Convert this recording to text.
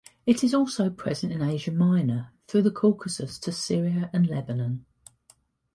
It is also present in Asia Minor, through the Caucasus to Syria and Lebanon.